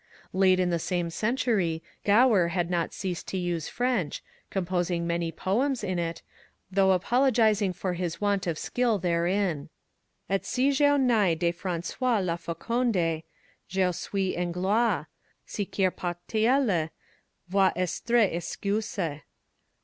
^ Late in the same century Gower had not ceased to use French, composing many poems in it, though apologizing for his want of skill therein :— "Et si jeo nai de Francois la faconde * X «« Jeo suis Englois ; si quier par tiele voie Estre excuse."